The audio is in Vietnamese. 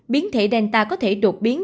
biến thể delta có thể đột biến